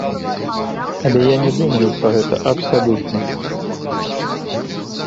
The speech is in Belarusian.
Але я не думаю пра гэта абсалютна.